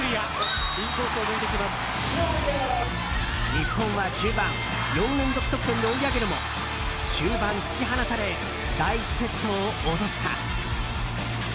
日本は中盤４連続得点で追い上げるも終盤突き放され第１セットを落とした。